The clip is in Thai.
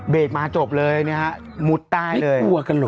เบรกมาจบเลยนะฮะมุดใต้เลยไม่กลัวกันหรอก